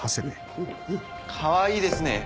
かわいいですね